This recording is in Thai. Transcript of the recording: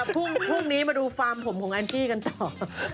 พรุ่งนี้มาดูฟาร์มผมของแอนกี้กันต่อ